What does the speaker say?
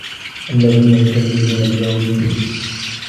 الذين يكذبون بيوم الدين